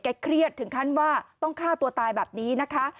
เครียดถึงขั้นว่าต้องฆ่าตัวตายแบบนี้นะคะ